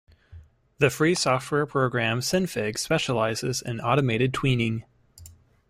The free software program Synfig specializes in automated tweening.